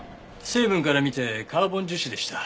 成分から見てカーボン樹脂でした。